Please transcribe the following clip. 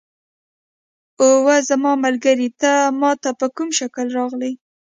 اوه زما ملګری، ته ما ته په کوم شکل راغلې؟